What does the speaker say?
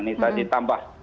ini tadi tambah